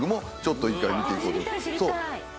［そう！